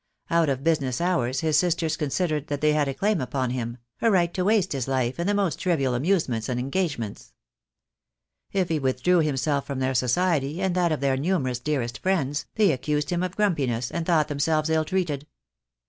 Out of business hours his sisters considered that they had a claim upon him, a right to waste his life in the most trivial amuse ments and engagements. If he withdrew himself from their society, and that of their numerous dearest friends, they accused him of grumpiness, and thought themselves ill treated.